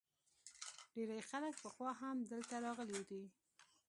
ډیری خلک پخوا هم دلته راغلي دي